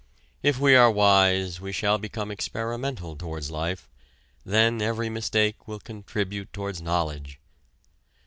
If we are wise we shall become experimental towards life: then every mistake will contribute towards knowledge.